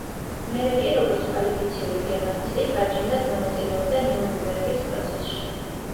მერე კი, როგორც კვალიფიციური გერმანისტი, თარჯიმნად მონაწილეობდა ნიურნბერგის პროცესში.